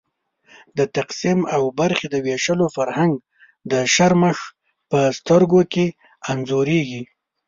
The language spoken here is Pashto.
د تقسیم او برخې د وېشلو فرهنګ د شرمښ په سترګو کې انځورېږي.